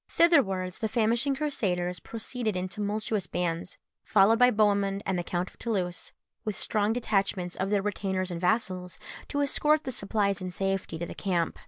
Thitherwards the famishing Crusaders proceeded in tumultuous bands, followed by Bohemund and the Count of Toulouse, with strong detachments of their retainers and vassals, to escort the supplies in safety to the camp.